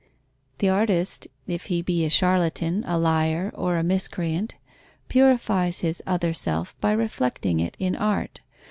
The artist, if he be a charlatan, a liar, or a miscreant, purifies his other self by reflecting it in art.